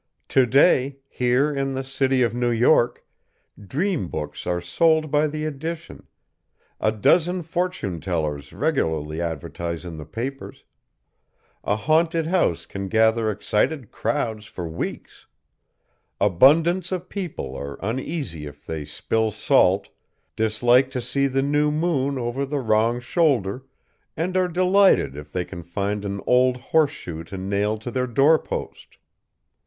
To day, here in the City of New York, dream books are sold by the edition; a dozen fortune tellers regularly advertise in the papers; a haunted house can gather excited crowds for weeks; abundance of people are uneasy if they spill salt, dislike to see the new moon over the wrong shoulder, and are delighted if they can find an old horse shoe to nail to their door post.